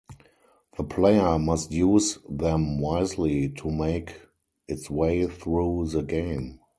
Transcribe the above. The player must use them wisely to make its way through the game.